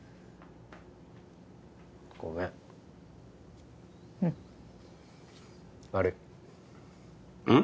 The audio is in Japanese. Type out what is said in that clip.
ごめんうん悪いうん？